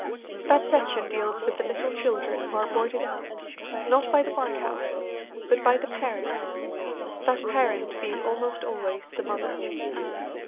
That section deals with the little children who are boarded out, not by the workhouse, but by the parents, that parent being almost always the mother.